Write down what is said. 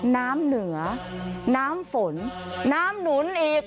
น้ำเหนือน้ำฝนน้ำหนุนอีก